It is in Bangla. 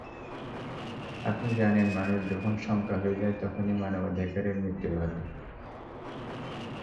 আপনি জানেন, মানুষ যখন সংখ্যা হয়ে যায়, তখনই মানবাধিকারের মৃত্যু ঘটে।